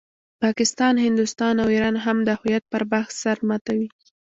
پاکستان، هندوستان او ایران هم د هویت پر بحث سر ماتوي.